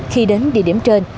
khi đến địa điểm trên